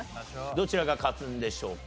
どちらが勝つんでしょうか？